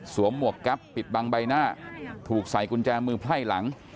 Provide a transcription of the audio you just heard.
หมวกแก๊ปปิดบังใบหน้าถูกใส่กุญแจมือไพ่หลัง